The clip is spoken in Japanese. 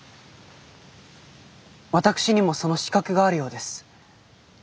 私にもその資格があるようです。